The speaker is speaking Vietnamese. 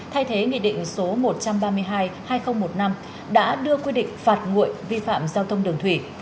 thay thế nghị định số một trăm ba mươi hai hai nghìn một mươi năm đã đưa quy định phạt nguội vi phạm giao thông đường thủy